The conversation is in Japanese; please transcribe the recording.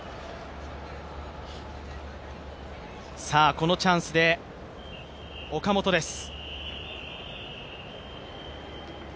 このチャンスで岡本です。